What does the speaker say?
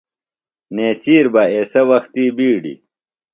نیچِیر بہ ایسےۡ وختی بِیڈیۡ